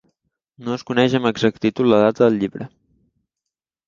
No es coneix amb exactitud la data del llibre.